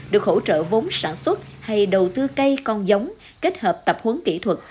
được hỗ trợ vốn sản xuất hay đầu tư cây con giống kết hợp tập huấn kỹ thuật